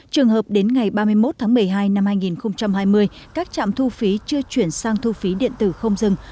trường hợp đến ngày ba mươi một tháng một mươi hai năm hai nghìn hai mươi các trạm thu phí chưa chuyển sang thu phí điện tử không dừng